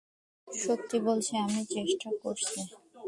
সত্যি বলছি আমি চেষ্টা করছি।